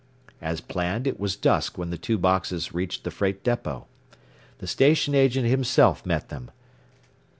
As planned, it was dusk when the two boxes reached the freight depot. The station agent himself met them.